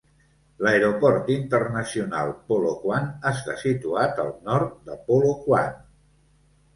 L'Aeroport Internacional Polokwane està situat al nord de Polokwane.